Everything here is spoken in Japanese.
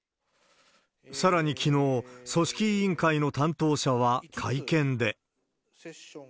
さらにきのう、組織委員会の担当者は会見で。